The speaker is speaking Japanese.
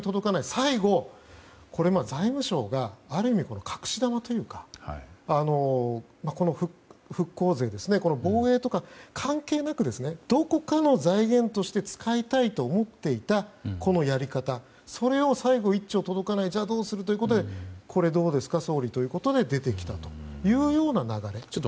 最後、これは財務省がある意味、隠し玉というかこの復興税防衛とか関係なくどこかの財源として使いたいと思っていたこのやり方、それを最後１兆円に届かないじゃあどうするかということでどうですか総理ということで出てきたというような流れ。